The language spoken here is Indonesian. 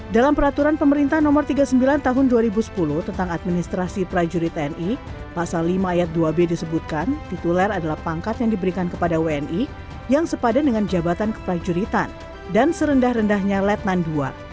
dalam peraturan pemerintah nomor tiga puluh sembilan tahun dua ribu sepuluh tentang administrasi prajurit tni pasal lima ayat dua b disebutkan tituler adalah pangkat yang diberikan kepada wni yang sepadan dengan jabatan keprajuritan dan serendah rendahnya letnan ii